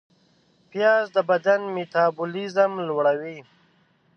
پیاز د بدن میتابولیزم لوړوي